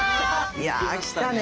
いや来たね。